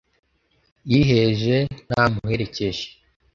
yiheje ntamuherekeje